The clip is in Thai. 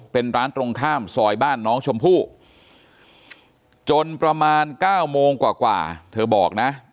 เป็นร้านตรงข้ามซอยบ้านน้องชมพู่จนประมาณ๙โมงกว่าเธอบอกนะ